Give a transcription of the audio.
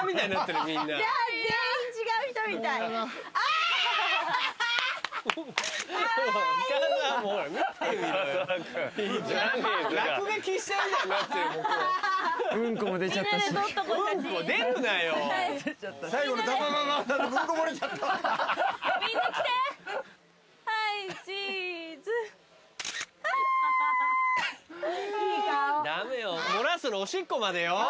駄目よ漏らすのおしっこまでよ。